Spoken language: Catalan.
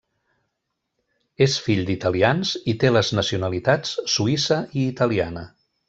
És fill d'italians i té les nacionalitats suïssa i italiana.